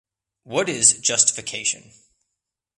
What is justification?